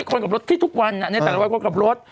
คนกับรถที่ทุกวันในแต่ละวันคนขับรถ